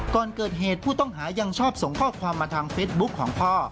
ก่อนเกิดเหตุผู้ต้องหายังชอบส่งข้อความมาทางเฟซบุ๊คของพ่อ